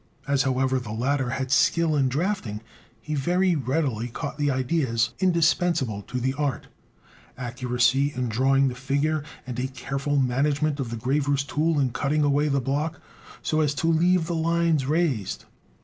As, however, the latter had skill in drafting, he very readily caught the ideas indispensable to the art, accuracy in drawing the figure, and a careful management of the graver's tool in cutting away the block so as to leave the lines raised.